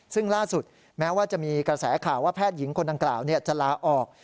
ซึ่งล่าสุดแม้ว่าจะมีกระแสข่าวว่าแพทย์หญิงคนดังกล่าวจะลาออก